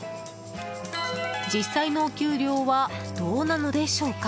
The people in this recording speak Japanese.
実際のお給料はどうなのでしょうか。